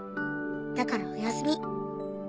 だからおやすみ。